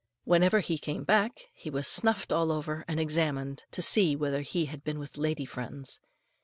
Whenever he came back, he was snuffed all over and examined to see whether he had been with lady friends.